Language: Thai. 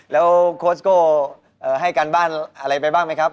แล้วโค้ชโก้ให้การบ้านอะไรไปบ้างไหมครับ